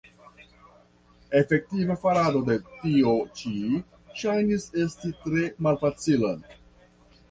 Efektiva farado de tio ĉi ŝajnis esti tre malfacila.